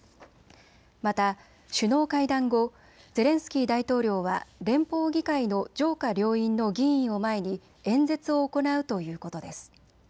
また首脳会談後、ゼレンスキー大統領は連邦議会の上下両院の議員を前に演説を行うということです。